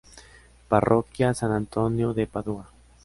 Parroquia San Antonio de Padua